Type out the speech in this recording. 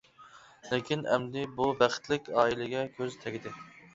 لېكىن ئەمدى بۇ بەختلىك ئائىلىگە كۆز تەگدى.